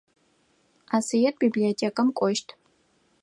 Асыет библиотекэм кӏощт.